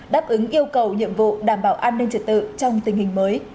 đáp ứng yêu cầu nhiệm vụ đảm bảo an ninh trật tự trong tình hình mới